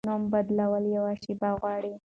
نوم بدول یوه شیبه غواړي.